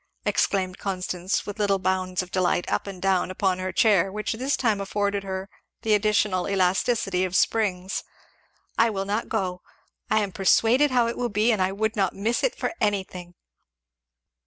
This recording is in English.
exclaimed Constance, with little bounds of delight up and down upon her chair which this time afforded her the additional elasticity of springs, "I will not go. I am persuaded how it will be, and I would not miss it for anything."